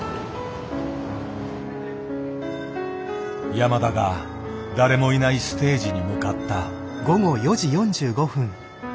山田が誰もいないステージに向かった。